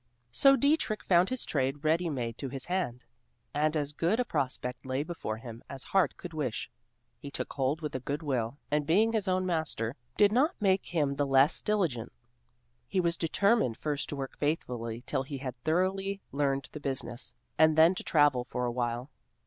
So Dietrich found his trade ready made to his hand, and as good a prospect lay before him as heart could wish. He took hold with a good will, and being his own master did not make him the less diligent. He was determined first to work faithfully till he had thoroughly learned the business, and then to travel for a while.